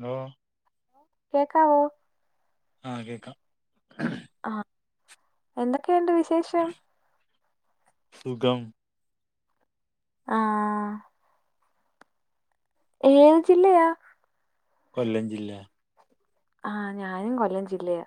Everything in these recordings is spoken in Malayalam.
ഹലോ കേക്കാവോ ആഹ് കേൾക്കാം ആ എന്തൊക്കെയുണ്ട് വിശേഷം സുഖം ആഹ് ഏത് ജില്ലയാ കൊല്ലം ജില്ല ആഹ് ഞാനും കൊല്ലം ജില്ലയ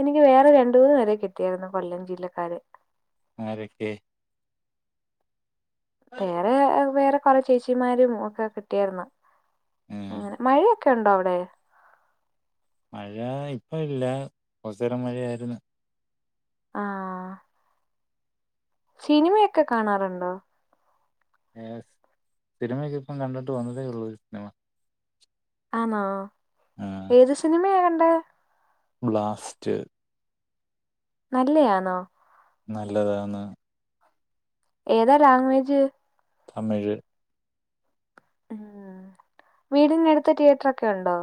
എനിക്ക് വേറെ രണ്ട് മൂന്ന് പേരെ കിട്ടിയായിരുന്നു കൊല്ലം ജില്ലക്കാരെ അരൊക്കെ വേറെ വേറെ കൊറെ ചേച്ചിമാരും ഒക്കെ കിട്ടിയായിരുന്നു ഉം അങ്ങനെ മഴയൊ ഒക്കെ ഉണ്ടോ അവിടെ മഴ ഇപ്പം ഇല്ല കുറച്ച് നേരം മഴയായിരുന്നു ആഹ് സിനിമയൊക്കെ കാണാറുണ്ടോ സിനിമൊക്കെ ഇപ്പം കണ്ടിട്ട് വന്നതേ ഉള്ളൂ ആണോ ആ ഏത് സിനിമയാ കണ്ടെ ബ്ലാസ്റ്റ് നല്ലയാണോ നല്ലതാണ് ഏതാ ലാംഗ്വേജ് തമിഴ് ഉം വീടിനടുത്ത് തിയേറ്ററൊക്കെ ഉണ്ടോ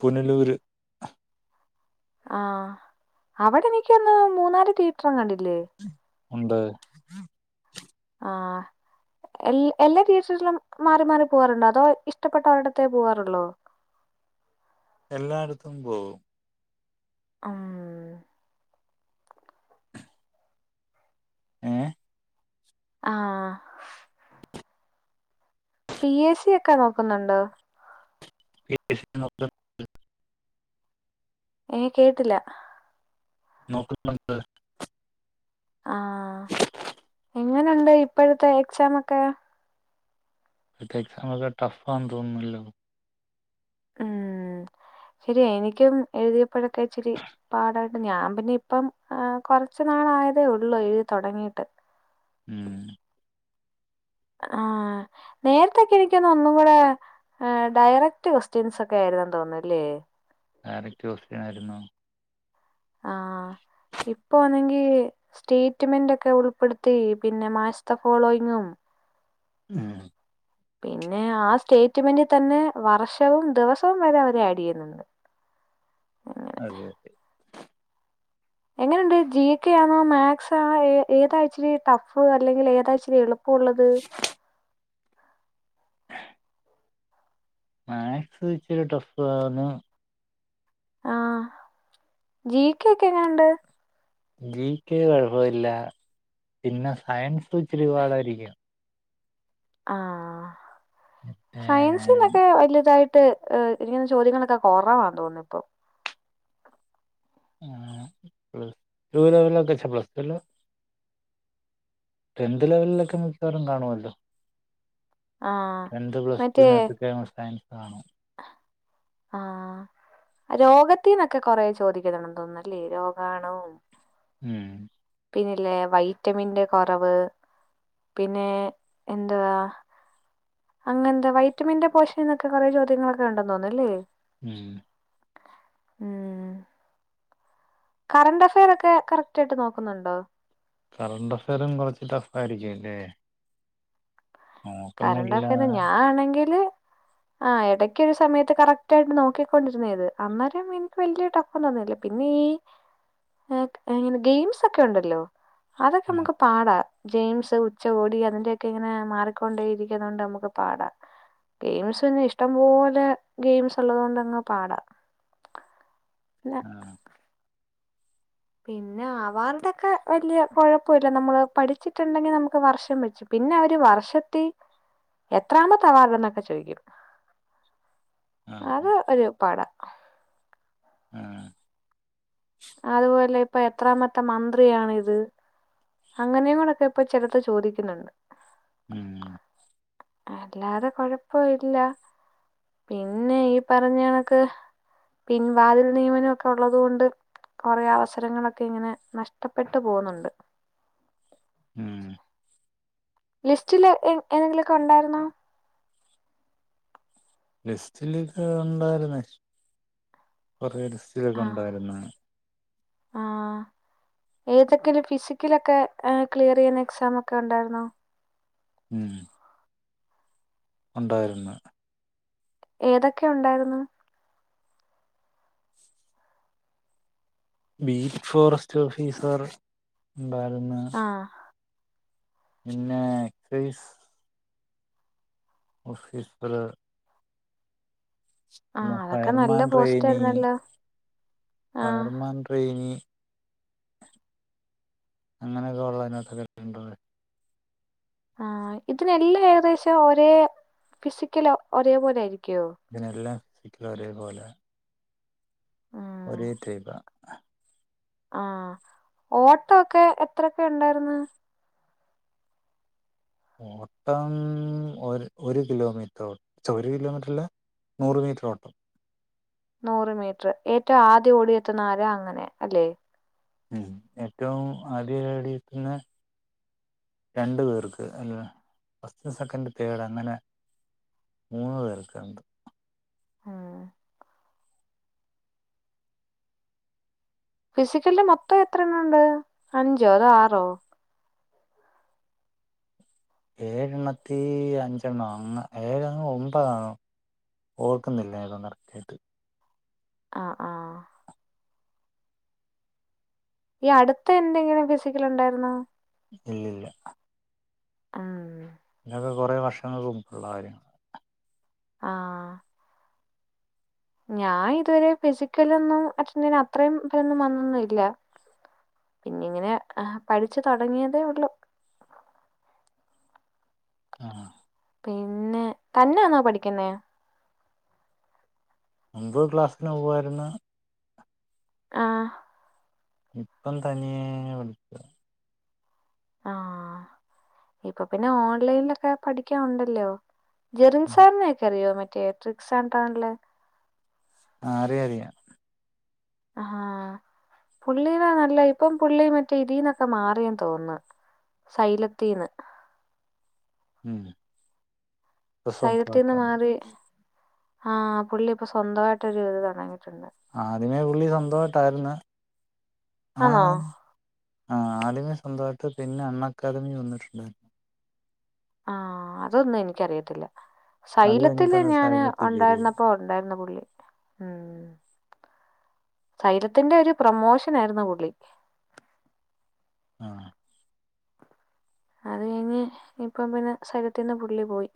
പുനലൂര് ആഹ് അവിടെ എനിക്കന്ന് മൂന്നാല് തിയറ്ററും കണ്ടില്ലേ ഉണ്ട് ആഹ് എ എല്ലാ തിയേറ്ററിലും മാറി മാറി പോകാറുണ്ടോ അതോ ഇഷ്ടപ്പെട്ടൊരിടത്തേ പോവാറുള്ളോ എല്ലായിടത്തും പോവും ആഹ് ഏഹ് ആഹ് പി എസ് സി ഒക്കെ നോക്കുന്നുണ്ടോ [inaudible] ഏഹ് കേട്ടില്ല നോക്കുന്നുണ്ട് ആഹ് എങ്ങനുണ്ട് ഇപ്പോഴത്തെ എക്സാം ഒക്കെ ഇപ്പഴത്തെ എക്സാം ഒക്കെ ടഫാന്ന് തോന്നുന്നല്ലോ ഉം ശരിയാ എനിക്കും എഴുതിയപ്പോഴൊക്കെ ഇച്ചിരി പാടായിട്ട് ഞാൻ പിന്നെ ഇപ്പം കുറച്ചു നാളായതേ ഉള്ളൂ എഴുതി തുടങ്ങീട്ട് ഉം ആഹ് നേരത്തൊക്കെ എനിക്ക് തോന്നുന്നു ഒന്നും കൂടെ ആഹ് ഡയറക്ട് ക്വസ്റ്റ്യൻസ് ഒക്കെ ആയിരുന്നു തോന്നുന്നുല്ലേ ഡയറക്റ്റ് ക്വൊസ്റ്റ്യൻ ആരുന്നു ആഹ് ഇപ്പൊ ആണെങ്കി സ്റ്റേറ്റ്മെന്റ് ഒക്കെ ഉൾപ്പെടുത്തി പിന്നെ മാസ്റ്റർ ഫോളോയിങ്ങും ആഹ് പിന്നെ ആ സ്റ്റേറ്റ്മെന്റ് തന്നെ വർഷവും ദിവസവും വരെ അവര് ആഡ് ചെയ്യുന്നുണ്ട് അങ്ങനെ അതെ അതെ എങ്ങനെയുണ്ട് ജി കെ ആണോ മാത്സ് ആണോ ഏതാണിച്ചിരി ടഫ് അല്ലെങ്കിൽ ഏതാച്ചിരി എളുപ്പം ഇപ്പോ ഉള്ളത് [inaudible] മാത്സ് ഇച്ചിരി ടഫ് ആണ് ആഹ് ജി കെ ഒക്കെ എങ്ങനെണ്ട് ജി കെ കുഴപ്പല്ല പിന്നെ സയൻസ് ഇച്ചിരിപാടായിരിക്കും ആഹ് ഏഹ് സയൻസിന്നൊക്കെ വലിയതായിട്ട് ഇങ്ങനെ ചോദ്യങ്ങളൊക്കെ കുറവാന്ന് തോന്നുന്നു ഇപ്പോ ആഹ് പ്ലസ് ടു ലെവൽ ഒക്കെച്ച് പ്ലസ് ടു അല്ല ടെൻത്ത് ലെവലിലൊക്കെ മിക്കവാറും കാണുമല്ലോ ആഹ് ടെൻത്ത് പ്ലസ് മറ്റേ ടുവിനെന്തൊക്കെ സയൻസ് കാണു ആഹ് രോഗത്തിന്നൊക്കെ കൊറെ ചോദിക്കുന്നുണ്ടെന്ന് തോന്നുന്നല്ലേ രോഗാണുവും ഉം പിന്നെല്ലേ വൈറ്റമിന്റെ കുറവ് പിന്നെ എന്തുവാ അങ്ങനെന്താ വൈറ്റമിന്റെ പോഷൻന്നൊക്കെ കുറെ ചോദ്യങ്ങളൊക്കെ ഉണ്ടെന്ന് തോന്നുന്നു അല്ലേ ഉം ഉം കറണ്ടഫെയറൊക്കെ കറക്റ്റ് ആയിട്ട് നോക്കുന്നുണ്ടോ? കറണ്ടഫയറും കുറച്ച് ടഫായിരിക്കും ല്ലേ. കറണ്ട് അഫെയർ ഞാനാണെങ്കില് ആഹ് ഇടയ്ക്കൊരു സമയത്ത് കറക്റ്റ് ആയിട്ട് നോക്കിക്കൊണ്ടിരുന്ന അത്. അന്നേരം എനിക്ക് വല്യ ട്ട അതൊന്നല്ല. പിന്നെ ഈ ആഹ് ങ്ങനെ ഗെയിംസ് ക്കെ ഉണ്ടല്ലോ? അതൊക്കെ നമുക്ക് പാടാ. ജെയിംസ്, ഉച്ചകോടി അതിന്റെക്കെ ഇങ്ങനെ മാർ കൊണ്ടേ ഇരിക്കുന്നോണ്ട് നമുക്ക് പാടാം. ഗെയിംസന്നെ ഇഷ്ടം പോലെ ഗെയിംസ് ഉള്ളതുകൊണ്ടങ്ങ് പാടാം. ആഹ് പിന്നെ അവാർടെക്കെ വലിയ കുഴപ്പല്ല. നമ്മള് പഠിച്ചിട്ടുണ്ടെങ്കിൽ നമുക്ക് വർഷം വച്ചും പിന്നെ അവര് വർഷത്തി എത്രാമത്ത വാർഡ് എന്നൊക്കെ ചോദിക്കും. ആഹ് അത് ഒരു പാട. ആഹ് അതുപോലെ ഇപ്പ എത്രാമത്തെ മന്ത്രിയാണിത്. അങ്ങനെയും കൂടെക്കെ ഇപ്പ ചിലത്ത് ചോദിക്കുന്നുണ്ട്. ഉം അല്ലാതെ കൊഴപ്പ ഇല്ല. പിന്നെ ഈ പറഞ്ഞണക്ക്. പിൻ വാതിൽ നിയമനം ക്കെ ഉള്ളതുകൊണ്ട് കൊറേ അവസരങ്ങളൊക്കെ ഇങ്ങനെ നഷ്ടപ്പെട്ടു പോകുന്നുണ്ട്. ഉം ലിസ്റ്റില് ഏഹ് എതെങ്കിലുമൊക്കെ ഉണ്ടായിരുന്നോ? ലിസ്റ്റിലൊക്കെ ഉണ്ടായിരുന്ന. കൊറെ ലിസ്റ്റിലൊക്കെ ഉണ്ടായിരുന്ന. ആഹ് ഏതൊക്കെ ഫിസിക്കലൊക്കെ ക്ലിയറെയ്യുന്ന എക്സാം ഒക്കെ ഉണ്ടായിരുന്നോ? ഉം ഉണ്ടായിരുന്നു. ഏതൊക്കെ ഉണ്ടായിരുന്നു. ബീറ്റ് ഫോറസ്റ്റ് ഓഫീസർ ഉണ്ടായിരുന്നു. ആ പിന്നെ എക്സൈസ്. ഓഫീസറ്. ആ പിന്നെ അതൊക്കെ നല്ല ഫയർമാൻ പോസ്റ്റ് റയിനി, ആയിരുന്നല്ലോ ആ ഫയർമാൻ റെയ്നി. അങ്ങനെയൊക്കെ ഉള്ള അതിനകത്തൊക്കെണ്ടത്. ആഹ്. ഇതിനെല്ലും ഏകദേശം ഒരേ ഫിസിക്കൽ ഒരേ പോലെ ആയിരിക്യോ. ഇതിനെല്ലാം സിക്കും ഒരേ പോലെ. ആഹ് ഒരേ ടൈ പ്പാ. ആഹ് ഓട്ടൊക്കെ എത്രക്ക് ണ്ടാർന്ന്. ഓട്ടം ഒരു ഒരു കിലോമീറ്റർ. ഛെ ഒരു കിലോമീറ്റർ അല്ല. നൂറ് മീറ്റർ ഓട്ടം. നൂറ് മീറ്റർ. ഏറ്റവും ആദ്യം ഓടിയെത്തുന്ന ആരാ അങ്ങനെ അല്ലെ? ഉം ഏറ്റവും ആദ്യം ഓടിയെതന്നെ. രണ്ട് പേർക്ക്. അല്ല. ഫസ്റ്റ്, സെക്കൻഡ്, തേഡ് അങ്ങനെ. മൂന്ന് പേർക്കണ്ട്. ആഹ് ഫിസിക്കല്ല് മൊത്തം എത്ര എണ്ണവുണ്ട് അഞ്ചോ അതോ ആറോ? ഏഴണ്ണത്തി അഞ്ചെണ്ണം [unintelligible] ഏഴാണോ ഒമ്പതാണോ ഓർക്കുന്നില്ല [unintelligible] കറക്ട്ടായിട്ട് ആഹ് ആഹ് ഈ അടുത്തെ എന്തെങ്കിലും ഫിസിക്കല് ഉണ്ടായിരുന്നോ ഇല്ലില്ല ആഹ് ഇതൊക്കെ കൊറേ വർഷങ്ങൾക്ക് മുമ്പുള്ള കാര്യങ്ങളാ ആഹ് ഞാൻ ഇതുവരെ ഫിസിക്കലൊന്നും അറ്റന്റ് ചെയ്യാൻ അത്രേം ഫലൊന്നും വന്നൊന്നും ഇല്ല പിന്നെ ഇങ്ങനെ ഏഹ് പഠിച്ചച്ച് തൊടങ്ങിയതേ ഒള്ളൂ ആഹ് പിന്നെ തന്നാണോ പഠിക്കുന്നേ മുൻപ് ക്ലാസ്സ്ന് പോവായിരുന്ന ആഹ് ഇപ്പം തനിയേ പഠിക്കാ ആഹ്, ഇപ്പം പിന്നെ ഓൺലൈലൊക്കെ പഠിക്കാൻ ഉണ്ടല്ലോ ജെറിൻസാറിനൊക്കെ അറിയോ മറ്റേ ത്രിക്സാണ്ടറിലെ ആഹ് അറിയാം അറിയാം ആ പുള്ളീനാ നല്ലെ ഇപ്പം പുള്ളി മറ്റേ ഇതിന്നൊക്കെ മാറിയെന്ന് തോന്ന്ന്ന് സൈലത്തീന്ന് ഹ്മ്മ് സൈലത്തിന്ന് മാറി ആഹ് പുള്ളി ഇപ്പോ സ്വന്തമായിട്ടൊരു ഇത് തൊടങ്ങിട്ടുണ്ട് ആദ്യമേ പുള്ളി സ്വന്തമായിട്ടായ്ര്ന്ന്, ആണോ ആഹ് ആഹ് ആലിമ സ്വന്തമായിട്ട് പിന്നെ അണ്ണക്കാദമി വന്നിട്ടുണ്ടായി ആഹ് അതൊന്നും എനിക്കറിയത്തില്ല, അത് സൈലത്തില് കഴിഞ്ഞിട്ടാണ് ഞാന് സൈലത്തിൽ കയറിയത് ഒണ്ടായിരുന്നപ്പോ ഉണ്ടായിരുന്നു പുള്ളി ഹ്മ്മ് സൈലത്തിന്റെ ഒരു പ്രെമോഷനായിരുന്നു പുള്ളി. ആഹ് അത് കഴിഞ്ഞ് ഇപ്പം പിന്നെ സൈലത്തിന്റെ പുള്ളി പോയി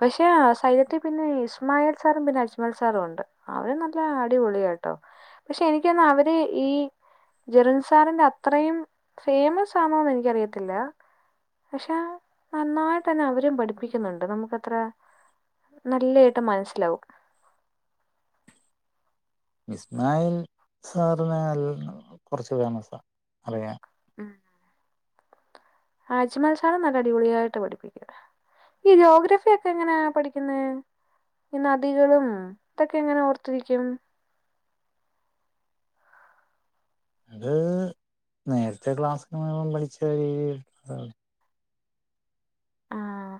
പക്ഷെ സൈലത്തി പിന്നെ ഇസ്മായിൽ സാറും പിന്നെ അജ്മൽ സാറും ഉണ്ട് അവര് നല്ല അടിപൊളിയാട്ടോ പക്ഷെ എനിക്ക് തന്നാ അവര് ഈ ജെറിൽസാറിന്റെ അത്രേയും ഫേമസ് ആണോന്ന് എനിക്കറിയത്തില്ലാ പക്ഷെ നന്നായിട്ടന്നെ അവരും പഠിപ്പിക്കുന്നുണ്ട് നമുക്കത്ര നല്ലായിട്ട് മനസ്സിലാവും. ഇസ്മായിൽ സാറിനെ [unintelligible] കൊറച്ച് ഫേമസാ അറിയാം ഹ്മ്മ് അജ്മൽ സാറും നല്ല അടിപൊളിയായിട്ട് പഠിപ്പിക്കും ഈ ജോഗ്രഫി ഒക്കെ എങ്ങനെയാ പഠിക്കുന്നേ ഈ നദികളും ഇതൊക്കെ എങ്ങനെ ഓർത്തിരിക്കും അത് നേരത്തെ ക്ലാസ്സിന് പോയപ്പം പഠിച്ച ഈ ഇതാണ്. ആഹ്,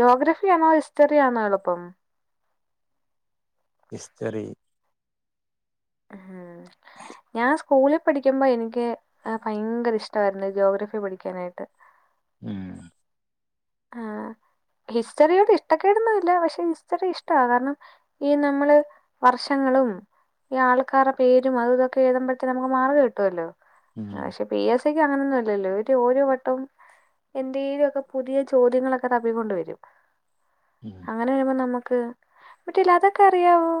ജോഗ്രഫി ആണോ ഹിസ്റ്ററി ആണോ എളുപ്പം? ഹിസ്റ്ററി. ആഹ് ഞാൻ സ് കൂളിൽ പഠിക്കുമ്പം എനിക്ക് ആ ഭയങ്കര ഇഷ്ടവായിരുന്നു ജോഗ്രഫി പഠിക്കാനായിട്ട് ഉം ആഹ് ഹിസ്റ്ററിയോട് ഇഷ്ടക്കേടൊന്നുല്ല പക്ഷെ ഹിസ്റ്ററി ഇഷ്ടാ കാരണം. ഈ നമ്മള് വർഷങ്ങളും ഈ ആൾക്കാര പേരും അതൂതൊക്കെ എഴതുമ്പത്തിന് നമുക്ക് മാർക്ക് കിട്ടുവല്ലോ. ഉം പക്ഷേ പി എസ് സിക്ക് അങ്ങനൊന്നും അല്ലല്ലോ ഓര് ഓരോ വട്ടം എന്തേലൊക്കെ പുതിയ ചോദ്യങ്ങളൊക്കെ തപ്പിക്കൊണ്ട് വരും. ഉം അങ്ങനെ വരുമ്പോ നമ്മക്ക് മറ്റേലതൊക്കെ അറിയാവോ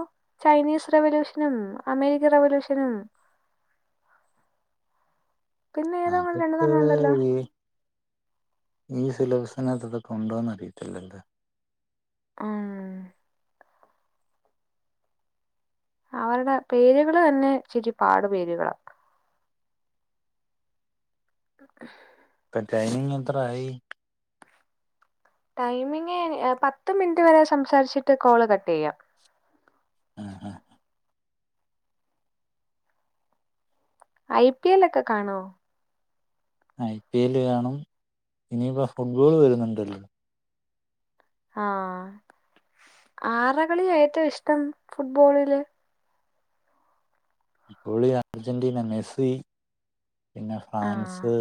ചൈനീസ് റവല്യൂഷനും, അമേരിക്കൻ റവല്യൂഷനും പിന്നെ ഏതോ അങ്ങനെ രണ്ട് അതൊക്കെ മൂന്നെണ്ണം ഉണ്ടല്ലോ. ഈ ഈ സിലബസിനകത്ത് ഇതൊക്കെണ്ടോന്ന് അറിയിത്തില്ലല്ലോ. ആഹ് അവരുടെ പേരുകള് തന്നെ ഇച്ചിരി പാട് പേര്കളാ. ഉംഅ് ഇപ്പ ടൈമിങ്ങെത്ര ആയി? ടൈമിങ് ഏഹ് പത്ത് മിനിറ്റ് വരെ സംസാരിച്ചിട്ട് കോള് കട്ടെയ്യാം. ആഹ് ആഹ് ഐ പി എല്ലൊക്കെ കാണോ? ഐ പി എല്ല് കാണും. ഇനിയിപ്പോ ഫുട്ബോള് വരുന്നുണ്ടല്ലോ. ആഹ് ആരെ കളിയാഏറ്റെഷ്ടം ഫുട്ബോളില്? ഫുട്ബോളി അർജന്റീന മെസ്സി പിന്നെ ആഹ് ഫ്രാൻസ്.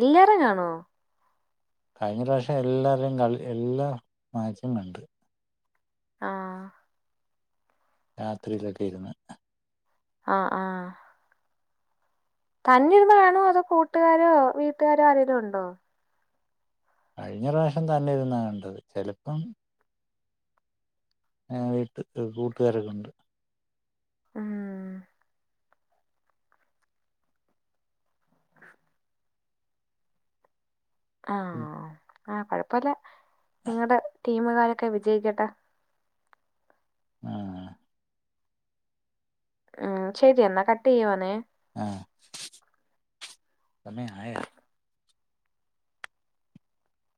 എല്ലാരെം കാണോ? കഴിഞ്ഞ പ്രാവശ്യം എല്ലാരുടേം കളി എല്ലാ മാച്ചും കണ്ട്. ആഹ് രാത്രിയിലൊക്കെയിരുന്ന്. ആഹ് ആഹ് തന്നെ ഇരുന്ന് കാണോ അതോ കൂട്ടുകാരോ വീട്ടുകാരോ ആരെലുണ്ടോ? കഴിഞ്ഞ പ്രാശ്യം തന്നെ ഇരുന്നാ കണ്ടത് ചെലപ്പം ഏഹ് വീട്ട് ത്ത് കൂട്ടുകാരൊക്കെ ഉണ്ട്. ആഹ് ആഹ് ആഹ് കൊഴപ്പല്ല നിങ്ങടെ ടീമുകാരൊക്കെ വിജയിക്കട്ടെ. ആഹ് ആഹ് ശരിയെന്ന കട്ടെയ്യുവാണേ ആഹ് സമയം ആയാ?